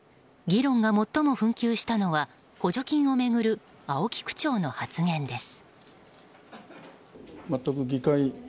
議論が最も紛糾したのは補助金を巡る青木区長の発言です。